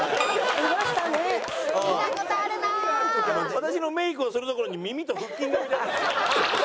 私のメイクをするところに耳と腹筋が置いてある。